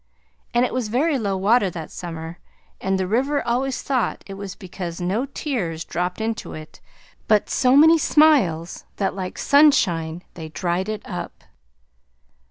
And it was very low water that summer, and the river always thought it was because no tears dropped into it but so many smiles that like sunshine they dried it up.